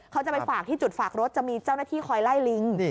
เขาจะไปฝากที่จุดฝากรถจะมีเจ้าหน้าที่คอยไล่ลิง